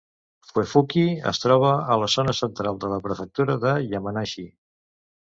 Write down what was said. Fuefuki es troba a la zona central de la prefectura de Yamanashi.